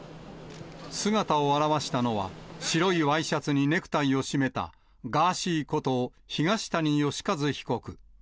姿を現したのは、白いワイシャツにネクタイを締めた、ガーシーこと東谷義和被告。